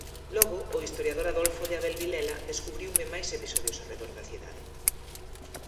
Logo, o historiador Adolfo de Abel Vilela descubriume máis episodios arredor da cidade.